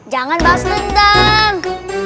jangan bahas lendang